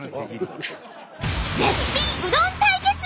絶品うどん対決！